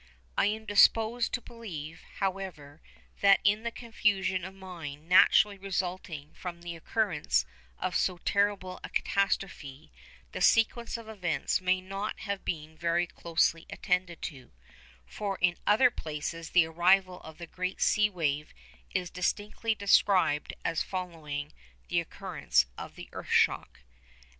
I am disposed to believe, however, that in the confusion of mind naturally resulting from the occurrence of so terrible a catastrophe, the sequence of events may not have been very closely attended to, for in other places the arrival of the great sea wave is distinctly described as following the occurrence of the earth shock.